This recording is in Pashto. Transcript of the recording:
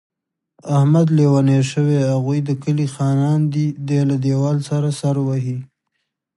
احمد لېونی شوی، هغوی د کلي خانان دي. دی له دېوال سره سر وهي.